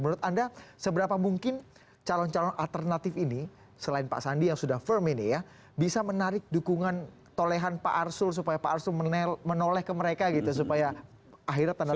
menurut anda seberapa mungkin calon calon alternatif ini selain pak sandi yang sudah firm ini ya bisa menarik dukungan tolehan pak arsul supaya pak arsul menoleh ke mereka gitu supaya akhirnya tanda tangan